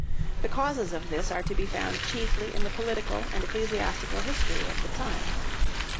The causes of this are to be found chiefly in the political and ecclesiastical history of the time.